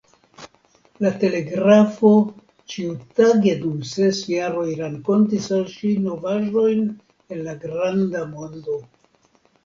La telegrafo ĉiutage dum ses jaroj rakontis al ŝi novaĵojn el la granda mondo.